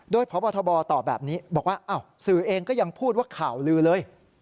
โดยพบทบตอบแบบนี้บอกว่าอ้าวสื่อเองก็ยังพูดว่าข่าวลือเลย